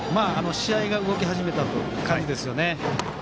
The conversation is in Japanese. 試合が動き始めたという感じですね。